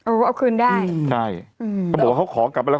อู๊ยเขอก็ขอขอกลับครับ